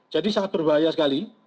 jadi sangat berbahaya sekali